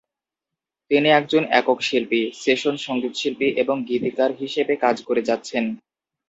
তিনি একজন একক শিল্পী, সেশন সঙ্গীতশিল্পী এবং গীতিকার হিসেবে কাজ করে যাচ্ছেন।